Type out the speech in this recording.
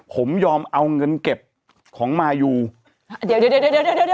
ผมยอมเอาเงินเก็บของมายูเดี๋ยวเดี๋ยวเดี๋ยวเดี๋ยวเดี๋ยวเดี๋ยวเดี๋ยว